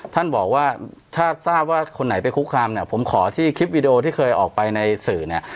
ท่านบอกว่าถ้าทราบว่าคนไหนไปคุกคามเนี่ยผมขอที่คลิปวิดีโอที่เคยออกไปในสื่อเนี่ย